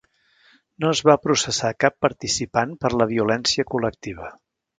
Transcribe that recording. No es va processar cap participant per la violència col·lectiva.